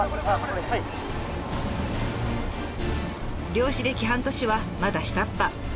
漁師歴半年はまだ下っ端。